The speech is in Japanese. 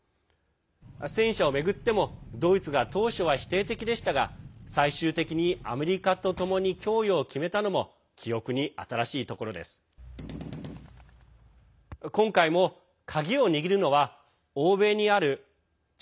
戦車を巡ってもドイツが当初は否定的でしたが最終的に、アメリカとともに供与を決めたのも記憶に新しいところです。